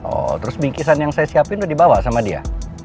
oh terus bingkisan yang saya siapin tuh dibawa sama dia